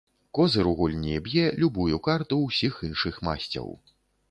Козыр у гульні б'е любую карту ўсіх іншых масцяў.